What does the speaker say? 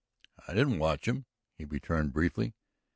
"I didn't watch 'em," he returned briefly.